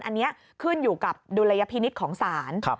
อันนี้ขึ้นอยู่กับดุลยพินิษฐ์ของศาล